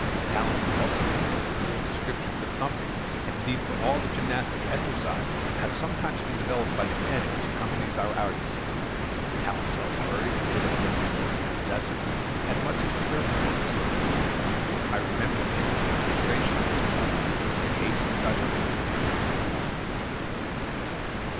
Talents also of the most brilliant description for thumping, and indeed for all the gymnastic exercises, have sometimes been developed by the panic which accompanies our artists; talents else buried and hid under a bushel to the possessors, as much as to their friends. I remember an interesting illustration of this fact, in a case which I learned in Germany.